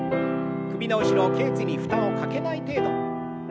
首の後ろけい椎に負担をかけない程度。